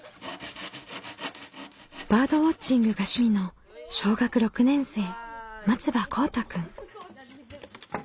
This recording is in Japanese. バードウォッチングが趣味の小学６年生松場こうたくん。